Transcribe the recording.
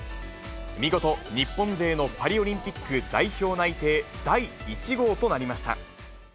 見事、日本勢のパリオリンピック代表内定第１号となりました。